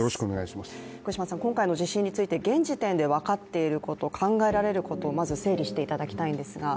今回の地震について現時点で分かっていること考えられることをまず整理していただきたいんですが。